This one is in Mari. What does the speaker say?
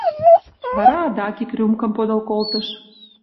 Вара адак ик рюмкым подыл колтыш.